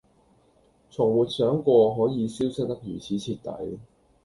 從沒想過可以消失得如此徹底